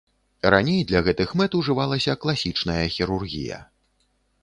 Раней для гэтых мэт ужывалася класічная хірургія.